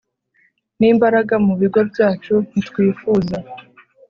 nimbaraga mu bigo byacu Ntitwifuza